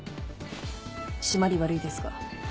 締まり悪いですが。